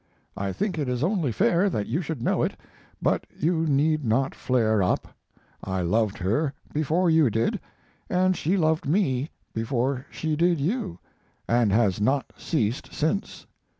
I think it is only fair that you should know it, but you need not flare up. I loved her before you did, and she loved me before she did you, and has not ceased since.